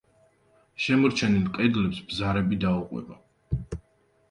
შემორჩენილ კედლებს ბზარები დაუყვება.